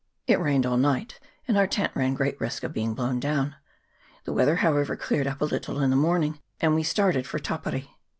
It rained all night, and our tent ran great risk of being blown down. The weather, however, cleared CHAP. XXVIII.] NATIVE CHURCH. 411 up a little in the morning, and we started for Tapiri.